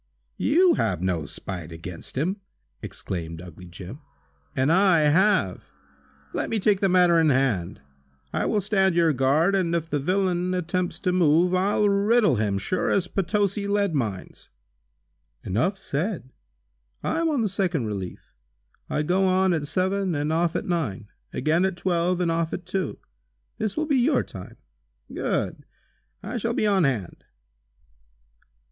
"You have no spite against him," exclaimed ugly Jim, "and I have. Let me take the matter in hand. I will stand your guard, and if the villain attempts to move, I'll riddle him, sure as Potosi lead mines." "Enough said. I am on the second relief. I go on at seven and off at nine; again at twelve and off at two. This will be your time." "Good! I shall be on hand!"